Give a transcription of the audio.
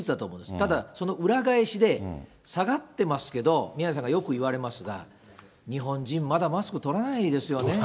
ただ、その裏返しで下がってますけど、宮根さんがよく言われますが、日本人、まだマスク取らないですよね。